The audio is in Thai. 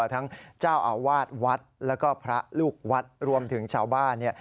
ทั้งเจ้าอาวาสวัดแล้วก็พระลูกวัดรวมถึงชาวบ้านเนี่ย